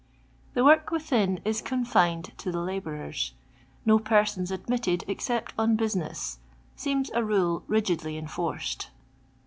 The work within is confined to the I labourers; " no persons ailmitted except ou bus! : ness " seems a rule rigidly enforced.